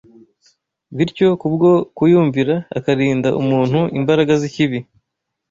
bityo kubwo kuyumvira akarinda umuntu imbaraga z’ikibi